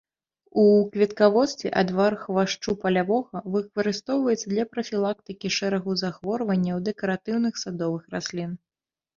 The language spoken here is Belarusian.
У кветкаводстве адвар хвашчу палявога выкарыстоўваецца для прафілактыкі шэрагу захворванняў дэкаратыўных садовых раслін.